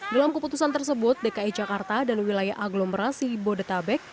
dalam keputusan tersebut dki jakarta dan wilayah aglomerasi bodetabek